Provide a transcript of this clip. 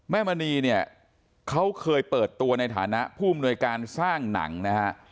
แม่มณีเนี้ยเขาเคยเปิดตัวในฐานะผู้จัดปริศนสร้างหนังนะฮะ